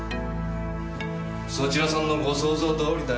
そちらさんのご想像どおりだよ。